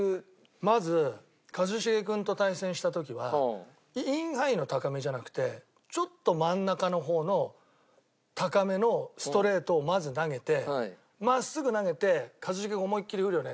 「まず一茂君と対戦した時はインハイの高めじゃなくてちょっと真ん中の方の高めのストレートをまず投げて真っすぐ投げて一茂君思いっきり振るよね」